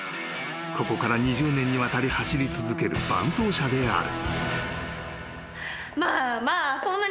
［ここから２０年にわたり走り続ける伴走者である］